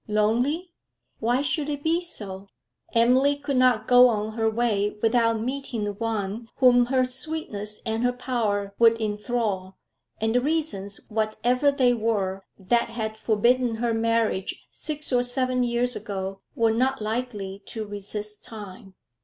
Lonely? why should it be so? Emily could not go on her way without meeting one whom her sweetness and her power would enthral, and the reasons, whatever they were, that had forbidden her marriage six or seven years ago, were not likely to resist time.